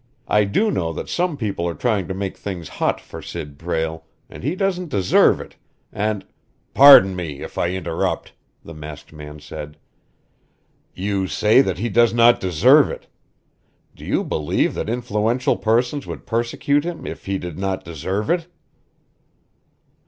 I do know that some people are trying to make things hot for Sid Prale, and he doesn't deserve it, and " "Pardon me, if I interrupt!" the masked man said. "You say that he does not deserve it. Do you believe that influential persons would persecute him if he did not deserve it?"